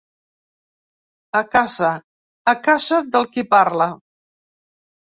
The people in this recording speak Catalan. A casa, a casa del qui parla.